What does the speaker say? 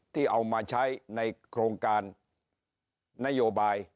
ที่เอามาใช้ในโครงการนโยบาย